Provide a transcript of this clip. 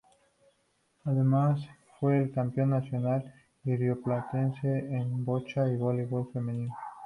Además fue el campeón Nacional y Rioplatense en bocha y voleibol femenino.